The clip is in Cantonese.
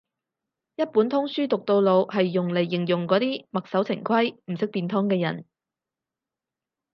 一本通書讀到老係用嚟形容嗰啲墨守成規唔識變通嘅人